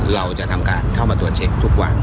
เราจะทำการเข้ามาตรวจเช็คทุกวัน